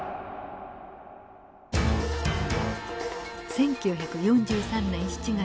１９４３年７月。